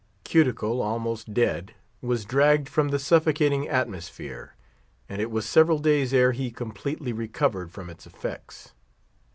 Cuticle, almost dead, was dragged from the suffocating atmosphere, and it was several days ere he completely recovered from its effects.